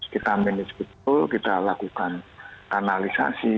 kita menisipasi kita lakukan analisasi